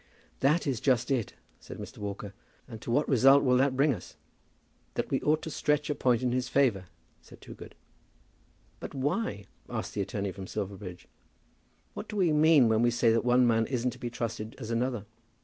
"That is just it," said Mr. Walker. "And to what result will that bring us?" "That we ought to stretch a point in his favour," said Toogood. "But why?" asked the attorney from Silverbridge. "What do we mean when we say that one man isn't to be trusted as another?